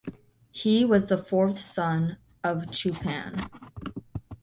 He was the fourth son of Chupan.